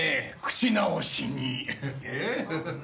「口直しに」？